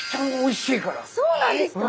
そうなんですか？